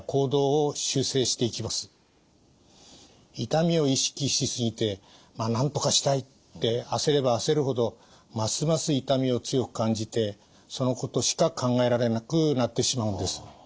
痛みを意識し過ぎてなんとかしたいって焦れば焦るほどますます痛みを強く感じてそのことしか考えられなくなってしまうんです。